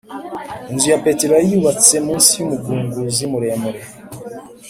inzu ya petero yari yubatse munsi y'umugunguzi muremure;